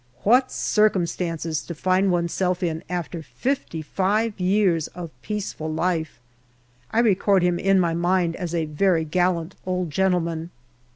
What circumstances to find one's self in after fifty five years of peaceful life ! I record him in my mind as a very gallant old gentleman.